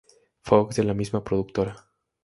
Fox, de la misma productora.